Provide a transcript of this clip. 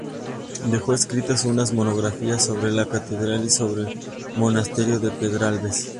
Dejó escritas unas monografías sobre la catedral y sobre el monasterio de Pedralbes.